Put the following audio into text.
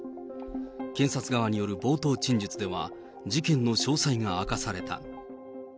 検察側による冒頭陳述では、事件の詳細が明かされた。